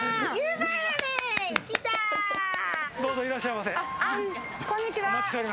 どうぞ、いらっしゃいませ。